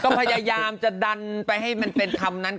ก็พยายามจะดันไปให้มันเป็นคำนั้น